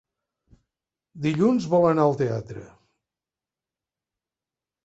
Dilluns vol anar al teatre.